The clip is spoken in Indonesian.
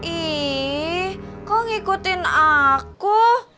ih kok ngikutin aku